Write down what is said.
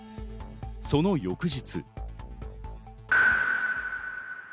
その翌日。